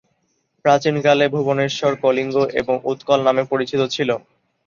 প্রাচীন কালে ভুবনেশ্বর; "কলিঙ্গ" এবং "উৎকল" নামে পরিচিত ছিল।